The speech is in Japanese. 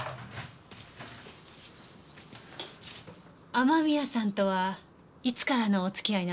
雨宮さんとはいつからのお付き合いなんですか？